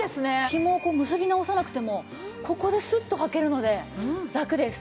ひもをこう結び直さなくてもここでスッと履けるのでラクです。